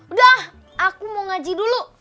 udah aku mau ngaji dulu